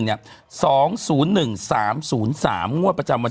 ๒๐๑๓๐๓งวดประจำวัติศิษย์